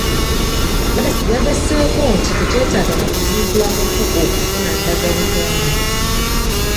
Yagasseeko nti tekyetaaga nakuziikula mufu okufuna ndagabuotnde.